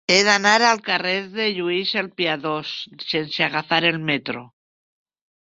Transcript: He d'anar al carrer de Lluís el Piadós sense agafar el metro.